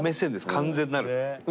完全なる。